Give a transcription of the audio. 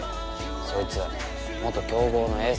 そいつ元強豪のエースだぞ。